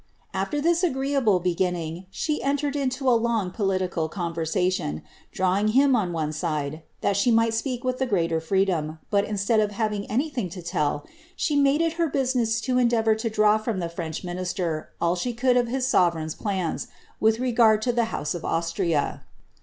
" After this aeiK able beginning, she entered into a long, political conversation, drawing him on one side, that she might speak with the greater freedom, but in stead of having anything to tell, she made it her business to endeavour to draw from the French minister all she could of his sovereign's plans, with regard to the house of Austria.